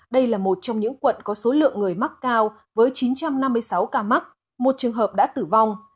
đây là một trong những quận có số lượng người mắc cao với chín trăm năm mươi sáu ca mắc một trường hợp đã tử vong